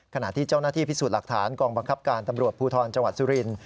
ขณะที่เจ้าหน้าที่พิสูจน์หลักฐานกองบังคับการตำรวจภูทรจังหวัดสุรินทร์